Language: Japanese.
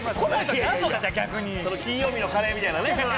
金曜日のカレーみたいなね。